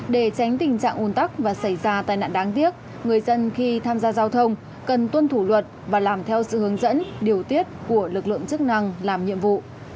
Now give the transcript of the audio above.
để tránh tình trạng un tắc và xảy ra tai nạn đáng tiếc người dân khi tham gia giao thông cần tuân thủ luật và làm theo sự hướng dẫn điều tiết của lực lượng chức năng làm nhiệm vụ